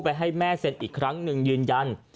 ให้แม่เซ็นอีกครั้งหนึ่งยืนยัน